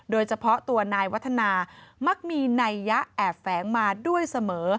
โดยเฉพาะตัวนายวัฒนามักมีนัยยะแอบแฝงมาด้วยเสมอ